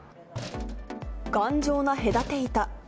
頑丈な隔て板。